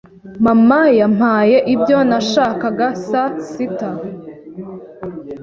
Mama yampaye ibyo nashakaga saa sita.